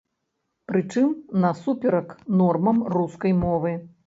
Прычым, насуперак нормам рускай мовы.